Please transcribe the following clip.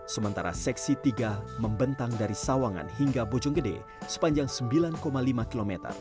sementara seksi tiga membentang dari sawangan hingga bojonggede sepanjang sembilan lima km